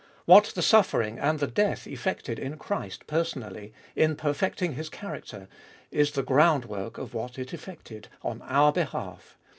What the suffering and the death effected in Christ personally, in perfecting His character, is the groundwork of what it effected on our behalf.